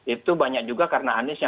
itu banyak juga karena aniesnya